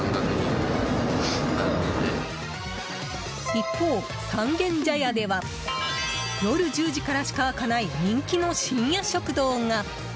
一方、三軒茶屋では夜１０時からしか開かない人気の深夜食堂が。